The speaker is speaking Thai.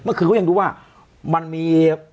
เมื่อกี้มันยังรู้ว่ามันมี